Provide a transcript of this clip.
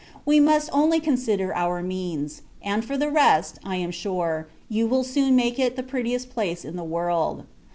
We must only consider our means; and, for the rest, I am sure, you will soon make it the prettiest place in the world.